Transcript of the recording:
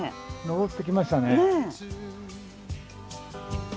登ってきましたね。